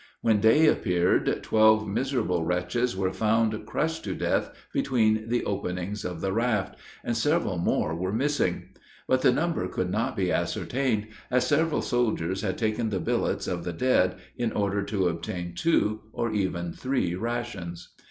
When day appeared, twelve miserable wretches were found crushed to death between the openings of the raft, and several more were missing; but the number could not be ascertained, as several soldiers had taken the billets of the dead, in order to obtain two, or even three rations.